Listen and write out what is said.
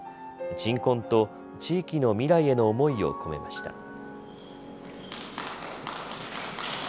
鎮魂と地域の未来への思いを込めました。